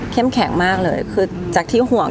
แข็งมากเลยคือจากที่ห่วง